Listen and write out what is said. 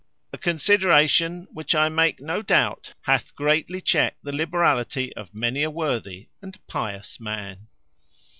A consideration which, I make no doubt, hath greatly checked the liberality of many a worthy and pious man."